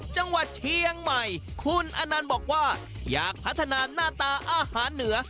จังหวัดเชียงใหม่คุณอนันต์บอกว่าอยากพัฒนาหน้าตาอาหารเหนือ